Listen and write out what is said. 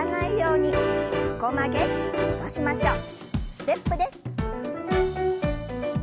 ステップです。